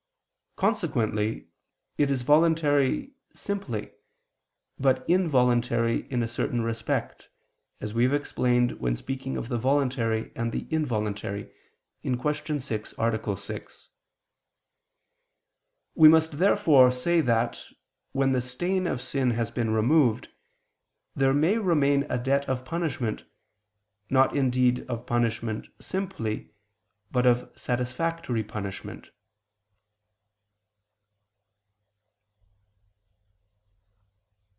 Consequently it is voluntary simply, but involuntary in a certain respect, as we have explained when speaking of the voluntary and the involuntary (Q. 6, A. 6). We must, therefore, say that, when the stain of sin has been removed, there may remain a debt of punishment, not indeed of punishment simply, but of satisfactory punishment.